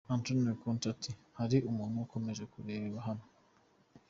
Antonio Conte ati:” Hari umuntu ukomeje kureba hano.